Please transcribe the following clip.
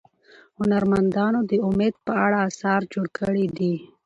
هنرمندانو د امید په اړه اثار جوړ کړي دي.